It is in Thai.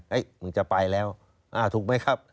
เฮ้ยมึงจะไปแล้วอ่าถูกไหมครับ